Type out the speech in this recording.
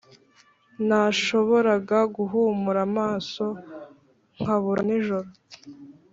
nashoboraga guhumura amaso nkabura nijoro.